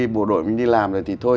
bộ đội mình đi làm rồi thì thôi